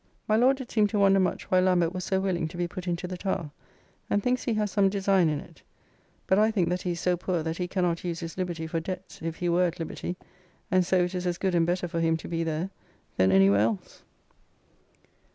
My Lord did seem to wonder much why Lambert was so willing to be put into the Tower, and thinks he has some design in it; but I think that he is so poor that he cannot use his liberty for debts, if he were at liberty; and so it is as good and better for him to be there, than any where else.